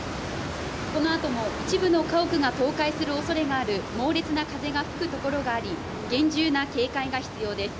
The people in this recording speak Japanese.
このあとも一部の家屋が倒壊するおそれがある猛烈な風が吹く所があり厳重な警戒が必要です